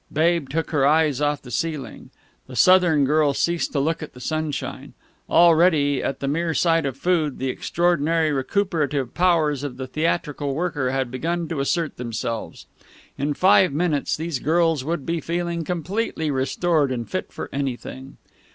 Babe took her eyes off the ceiling. The Southern girl ceased to look at the sunshine. Already, at the mere sight of food, the extraordinary recuperative powers of the theatrical worker had begun to assert themselves. In five minutes these girls would be feeling completely restored and fit for anything.